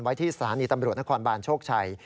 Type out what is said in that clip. ที่สถานีตำรวจนครบานโชคชัย